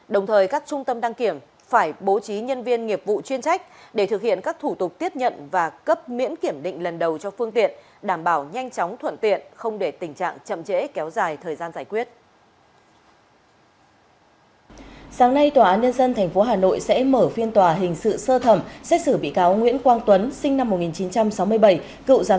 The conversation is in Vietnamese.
đồng thời các trung tâm đăng kiểm phải bố trí nhân viên nghiệp vụ chuyên trách để thực hiện các thủ tục tiếp nhận và cấp miễn kiểm định lần đầu cho phương tiện đảm bảo nhanh chóng thuận tiện không để tình trạng chậm chế kéo dài thời gian giải quyết